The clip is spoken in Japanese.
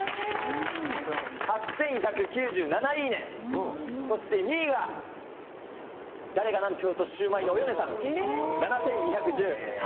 ８１９７いいね、そして２位が、誰がなんと言おうとシューマイのおよねさん、７２１８